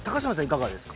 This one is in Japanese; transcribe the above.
いかがですか？